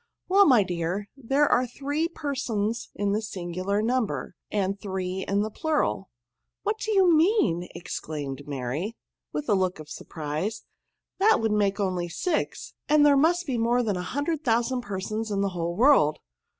'* Well, my dear, there are three persons in the singular number, and three in the plural." " What do you mean?" exclaimed Mary, with a look of surprise^, " that would make only SIX, and there must be more than a hun dred thousand persons in the whole world."